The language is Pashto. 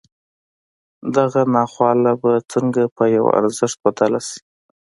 دغه ناخواله به څنګه پر يوه ارزښت بدله شي.